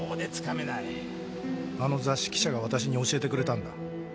あの雑誌記者が私に教えてくれたんだ。